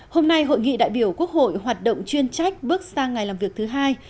hôm nay hội nghị đại biểu quốc hội hoạt động chuyên trách bước sang ngày làm việc thứ hai